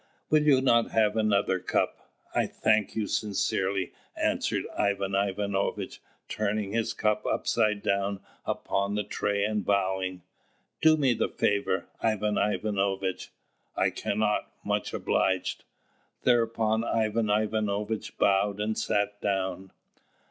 "Will you not have another cup?" "I thank you sincerely," answered Ivan Ivanovitch, turning his cup upside down upon the tray and bowing. "Do me the favour, Ivan Ivanovitch." "I cannot; much obliged." Thereupon Ivan Ivanovitch bowed and sat down.